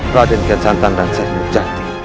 raden kan santan dan selim cakti